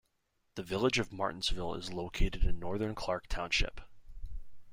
The village of Martinsville is located in northern Clark Township.